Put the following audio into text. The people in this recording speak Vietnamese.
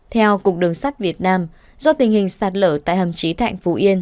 theo cục đường sắt việt nam do tình hình sạt lở tại hầm trí thạnh phú yên